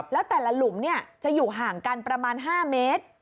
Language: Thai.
แล้วแต่ละหลุมจะอยู่ห่างกันประมาณ๕เมตร